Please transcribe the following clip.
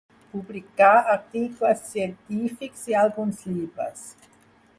Publicà articles científics i alguns llibres.